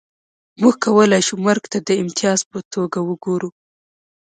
موږ کولای شو مرګ ته د امتیاز په توګه وګورو